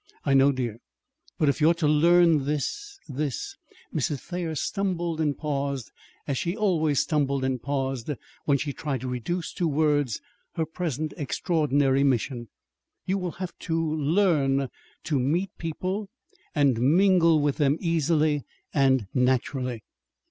"I know, dear; but if you are to learn this this " Mrs. Thayer stumbled and paused as she always stumbled and paused when she tried to reduce to words her present extraordinary mission. "You will have to to learn to meet people and mingle with them easily and naturally."